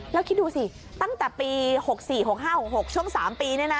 แล้วคิดดูสิตั้งแต่ปี๖๔๖๕๖๖ช่วง๓ปี